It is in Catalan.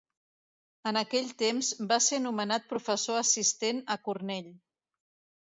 En aquell temps va se nomenat professor assistent a Cornell.